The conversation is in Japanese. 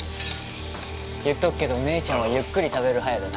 言っとくけど姉ちゃんはゆっくり食べる派やでな・